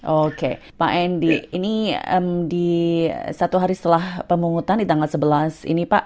oke pak endi ini di satu hari setelah pemungutan di tanggal sebelas ini pak